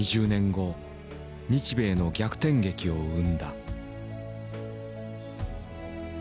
後日米の逆転劇を生んだ。